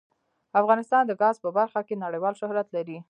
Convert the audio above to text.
افغانستان د ګاز په برخه کې نړیوال شهرت لري.